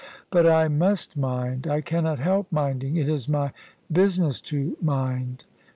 "But I must mind: I cannot help minding: it is my business to mind."